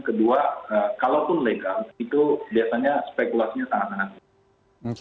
kedua kalaupun legal itu biasanya spekulasinya sangat sangat